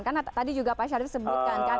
karena tadi juga pak syarif sebutkan kan